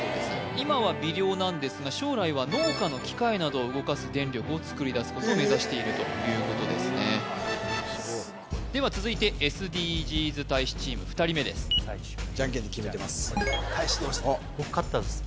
今は微量なんですが将来は農家の機械などを動かす電力を作り出すことを目指しているということですねでは続いてＳＤＧｓ大使チーム２人目ですジャンケンで決めてます